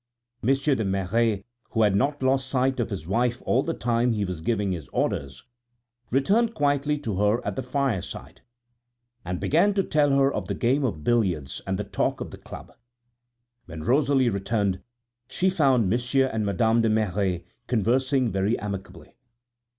Monsieur de Merret, who had not lost sight of his wife all the time he was giving his orders, returned quietly to her at the fireside and began to tell her of the game of billiards and the talk of the club. When Rosalie returned she found Monsieur and Madame de Merret conversing very amicably.